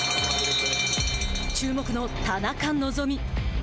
注目の田中希実。